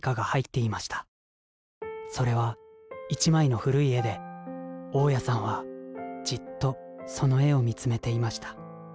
それは１枚の古い絵で大家さんはじっとその絵を見つめていました